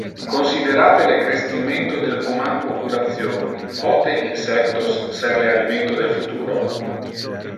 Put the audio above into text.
Considerate le crescimento del human population, pote insectos ser le alimento del futuro?